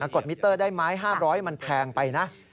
กดมิเตอร์ได้ไหม๕๐๐มันแพงไปนะ